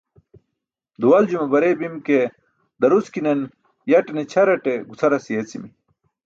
duwaljume barey bim ke daruckinan yaṭne ćʰar aṭe gucʰaras yeecimi